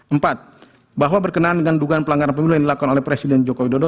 empat bahwa berkenaan dengan dugaan pelanggaran pemilu yang dilakukan oleh presiden joko widodo